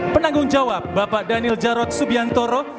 penanggung jawab bapak daniel jarot subiantoro